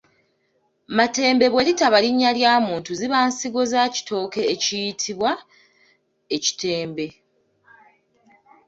Matembe bwe litaba linnya lya muntu ziba nsigo za kitooke ekiyitibwa ekitembe.